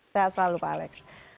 sehat selalu pak alex